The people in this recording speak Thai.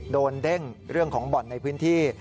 เด้งเรื่องของบ่อนในพื้นที่